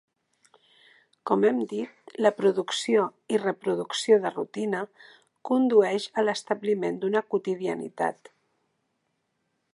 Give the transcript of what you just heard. Com hem dit, la producció i reproducció de rutina condueix a l'establiment d'una quotidianitat.